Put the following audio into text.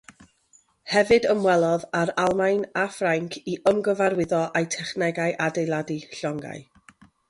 Hefyd ymwelodd â'r Almaen a Ffrainc i ymgyfarwyddo â'u technegau adeiladu llongau.